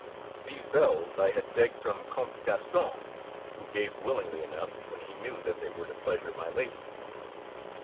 These bells I had begged from Comte Graston, who gave willingly enough when he knew that they were to pleasure my Lady.